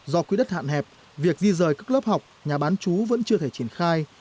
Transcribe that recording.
do quy đất hạn hẹp việc di rời các lớp học nhà bán trú vẫn chưa thể triển khai